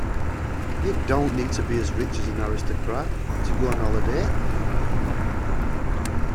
You don't need to be as rich as an aristocrat to go on holiday.